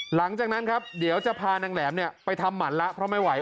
หลังจากนั้นครับเดี๋ยวจะพานางแหลมเนี่ยไปทำหมันละเพราะไม่ไหว